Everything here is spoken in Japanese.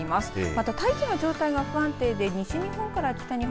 また大気の状態が不安定で西日本から北日本